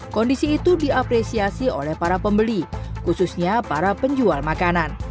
kondisi itu diapresiasi oleh para pembeli khususnya para penjual makanan